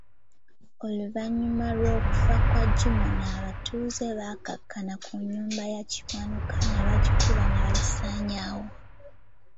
Oluvanyuma lw'okufa kwa Gimmony, abatuuze bakkakkana ku nnyumba ya Kiwanuka nabagikuba nebagisanyaawo.